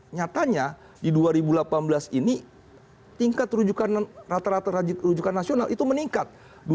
nyatanya di dua ribu delapan belas ini tingkat rujukan rata rata rujukan nasional itu meningkat